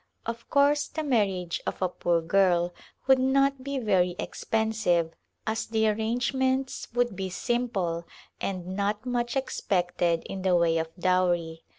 Of course the marriage of a poor girl would not be very expensive as the arrangements would be simple and not much expected in the way of dowry.